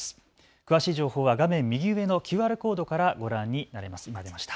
詳しい情報は画面右上のＱＲコードからご覧になれます。